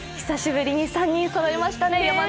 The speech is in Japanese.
久しぶりに３人そろいましたね。